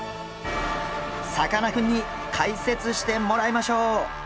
さかなクンに解説してもらいましょう！